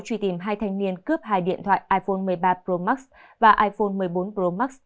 truy tìm hai thanh niên cướp hai điện thoại iphone một mươi ba pro max và iphone một mươi bốn pro max